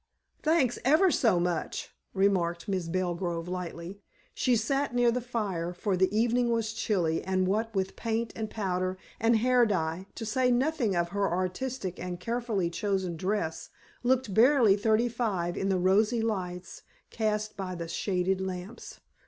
"Thanks ever so much," remarked Mrs. Belgrove lightly. She sat near the fire, for the evening was chilly, and what with paint and powder, and hair dye, to say nothing of her artistic and carefully chosen dress, looked barely thirty five in the rosy lights cast by the shaded lamps.